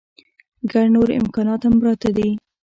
ګڼ نور امکانات هم پراته دي.